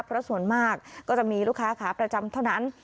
เพราะส่วนมากก็จะมีลูกค้าขาประจำเท่านั้น